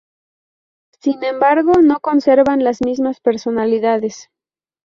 Sin embargo, no conservan las mismas personalidades.